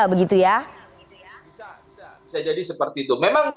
bisa jadi seperti itu